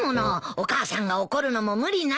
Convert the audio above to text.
お母さんが怒るのも無理ないよ。